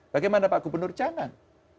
bagaimana pak gubernur jangan